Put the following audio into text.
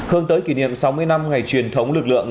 hướng tới kỷ niệm sáu mươi năm ngày truyền thống lực lượng